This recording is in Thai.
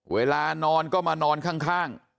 เวลานอนก็มานอนข้าง